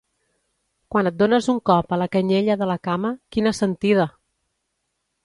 Quan et dones un cop a la canyella de la cama, quina sentida!